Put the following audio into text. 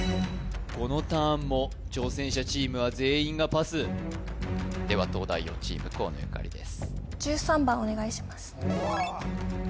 このターンも挑戦者チームは全員がパスでは東大王チーム河野ゆかりです